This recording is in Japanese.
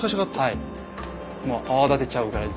もう泡立てちゃうぐらいに。